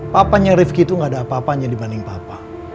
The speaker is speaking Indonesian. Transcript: papanya rifki itu gak ada apa apanya dibanding papa